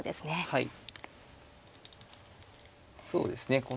はい。